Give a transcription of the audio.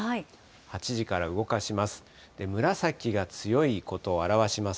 ８時から動かします。